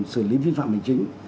xử lý vi phạm hành chính